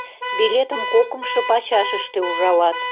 Билетым кокымшо пачашыште ужалат.